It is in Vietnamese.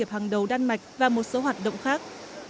hàng đầu đan mạch và một số hoạt động khác